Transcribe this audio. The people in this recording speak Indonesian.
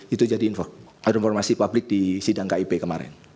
itu jadi informasi publik di sidang kip kemarin